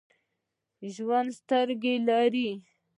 ژوندي سترګې لري